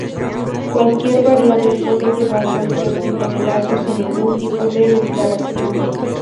Cualquier variable puede llevar cualquier tipo de datos sin ningún tipo de declaración.